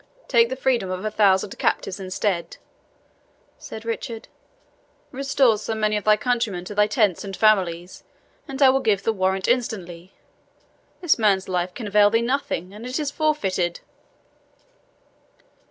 "Take the freedom of a thousand captives instead," said Richard; "restore so many of thy countrymen to their tents and families, and I will give the warrant instantly. This man's life can avail thee nothing, and it is forfeited."